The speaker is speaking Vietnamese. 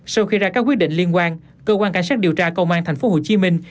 sau khi ra các quyết định liên quan cơ quan cảnh sát điều tra công an thành phố hồ chí minh